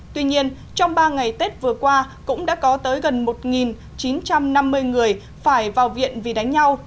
tuy nhiên trong ba ngày tết vừa qua cũng đã có tới gần một chín trăm năm mươi người phải vào viện vì đánh nhau